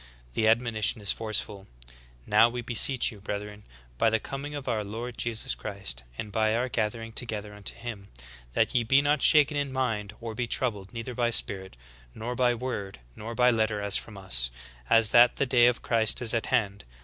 The admonition is forceful : "Now we beseech you, brethren, by the coming of our Lord Jesus Christ, and by our gathering together unto him, That ye be not soon shaken in mind, or be troubled, neither by spirit, nor by word, nor by letter as from us, as that the day of Christ is at hand.